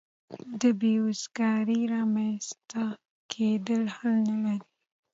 د بې روزګارۍ رامینځته کېدل حل نه لري.